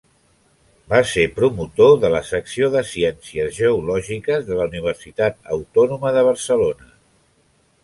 Va ser promotor de la secció de ciències geològiques de la Universitat Autònoma de Barcelona.